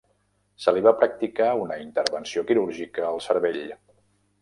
Se li va practicar una intervenció quirúrgica al cervell.